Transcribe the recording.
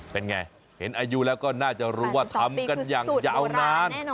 เป็นไงเห็นอายุแล้วก็น่าจะรู้ว่าทำกันอย่างยาวนาน